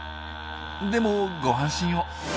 でもご安心を。